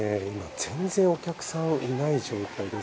全然お客さん、いない状態です。